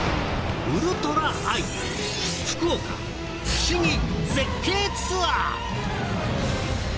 「ウルトラアイ福岡不思議×絶景ツアー」！